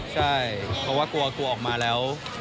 ใช่เพราะว่ากลัวกลัวออกมาแล้ว